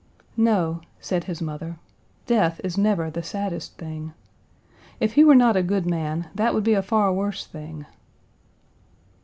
"No," said his mother, "death is never the saddest thing. If he were not a good man, that would be a far worse thing."